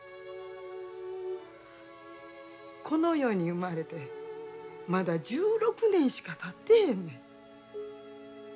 この世に生まれてまだ１６年しかたってへんねん。